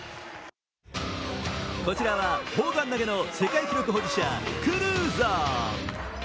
こちらは砲丸投の世界記録保持者クルーザー。